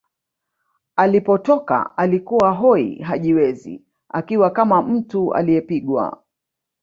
Alipotoka alikuwa hoi hajiwezi akiwa kama mtu aliyepigwa